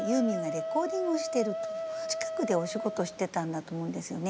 近くでお仕事してたんだと思うんですよね。